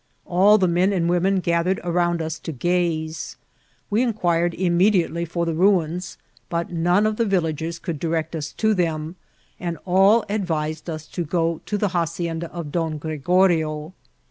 All the men and women gathered around us to gaze. We inquired immediately for the ruins, but none of the villagers could direct us to them, and all advised us to go to the hacienda of Don Gregorio.